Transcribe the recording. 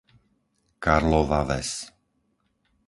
Karlova Ves